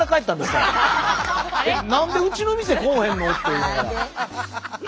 「何でうちの店来うへんの？」って言いながら。